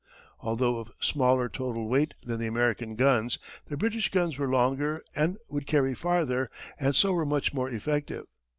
Although of smaller total weight than the American guns, the British guns were longer and would carry farther, and so were much more effective.